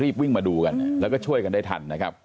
วิ่งมาดูกันแล้วก็ช่วยกันได้ทันนะครับ